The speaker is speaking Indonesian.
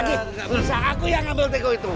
gak bisa aku yang ambil teko itu